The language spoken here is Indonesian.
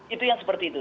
itu yang seperti itu